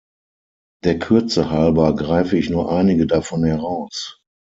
Der Kürze halber greife ich nur einige davon heraus.